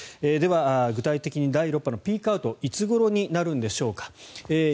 では、具体的に第６波のピークアウトいつごろになるのでしょうか。